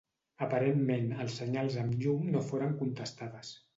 Aparentment els senyals amb llum no foren contestades.